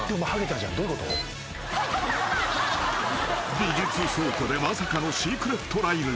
［美術倉庫でまさかのシークレットライブ］